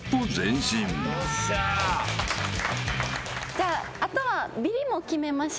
じゃああとは。